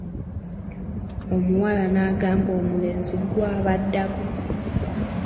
Omuwala n'agamba omulenzi, gwe ab'addako.